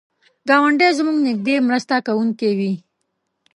ګاونډی زموږ نږدې مرسته کوونکی وي